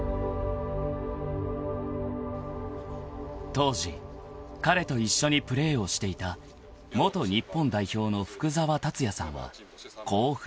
［当時彼と一緒にプレーをしていた元日本代表の福澤達哉さんはこう振り返る］